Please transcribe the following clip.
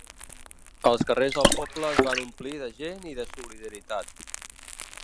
Els carrers del poble es van omplir de gent i de solidaritat.